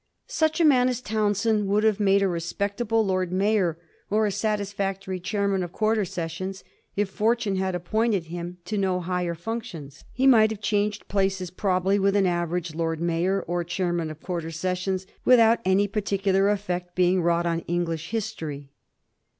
Such a man as Townshend would have made a respectable Lord Mayor, or a satisfactory Chairman of Quarter Ses sions, if fortune had appointed him to no higher functions. He might have changed places probably with an average Lord Mayor or Chairman of Quarter Sessions without any particular efiect being wrought on English history.